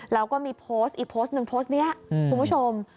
แล้วก็อีกโพสต์นึงเพราะคุณผู้ชม